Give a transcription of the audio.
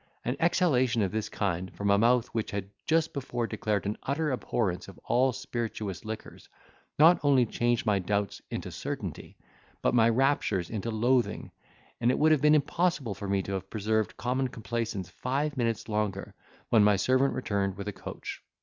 An exhalation of this kind, from a mouth which had just before declared an utter abhorrence of all spirituous liquors, not only changed my doubts into certainty, but my raptures into loathing; and it would have been impossible for me to have preserved common complaisance five minutes longer, when my servant returned with a coach.